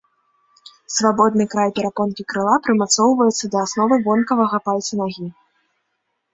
Свабодны край перапонкі крыла прымацоўваецца да асновы вонкавага пальца нагі.